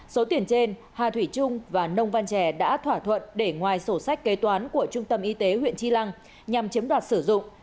số tiền trên hà thủy trung và nông văn trẻ đã thỏa thuận để ngoài sổ sách kế toán của trung tâm y tế huyện chi lăng nhằm chiếm đoạt sử dụng